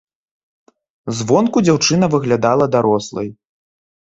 Звонку дзяўчына выглядала дарослай.